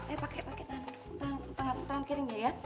eh pakai pakai tangan kering aja ya